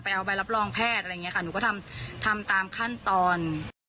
เอาใบรับรองแพทย์อะไรอย่างนี้ค่ะหนูก็ทำตามขั้นตอน